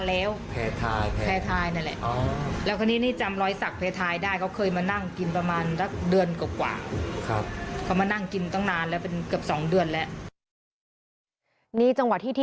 แล้วอัลเลอร์มาก่อนครั้งนึง